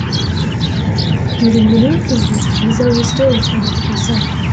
During the New Kingdom, Giza was still an active site.